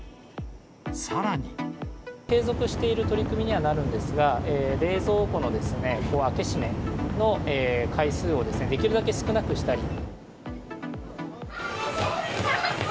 さらに。継続している取り組みにはなるんですが、冷蔵庫の開け閉めの回数をできるだけ少なくしたり。